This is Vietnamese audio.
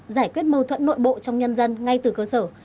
giải quyết mâu thuẫn nội bộ trong nhân dân ngay từ cơ sở